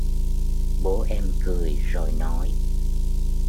Bố em cười rồi nói